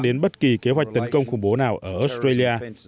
đến bất kỳ kế hoạch tấn công khủng bố nào ở australia